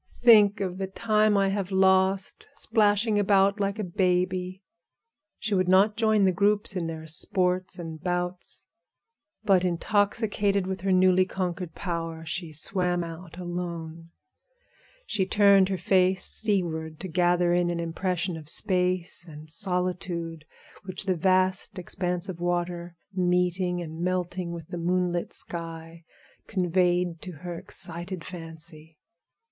Think of the time I have lost splashing about like a baby!" She would not join the groups in their sports and bouts, but intoxicated with her newly conquered power, she swam out alone. She turned her face seaward to gather in an impression of space and solitude, which the vast expanse of water, meeting and melting with the moonlit sky, conveyed to her excited fancy.